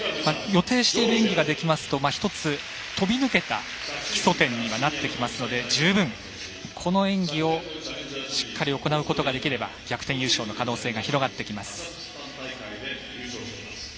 予定している演技ができますと１つ跳びぬけた基礎点にはなってきますので十分、この演技をしっかり行うことができれば逆転優勝の可能性が広がってきます。